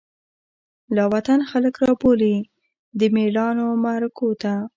لاوطن خلک رابولی، دمیړانومعرکوته